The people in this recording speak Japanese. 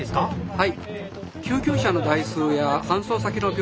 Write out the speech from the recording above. はい。